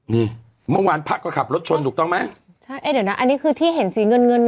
นี่เมื่อวานพระก็ขับรถชนถูกต้องไหมใช่เอ๊ะเดี๋ยวนะอันนี้คือที่เห็นสีเงินเงิน